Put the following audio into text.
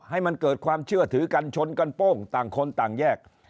ให้มันเกิดความเชื่อถือกันชนกันโป้งต่างคนต่างแยก